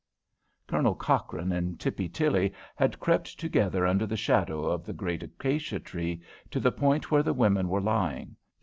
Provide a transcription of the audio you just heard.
Colonel Cochrane and Tippy Tilly had crept together under the shadow of the great acacia tree to the spot where the women were lying.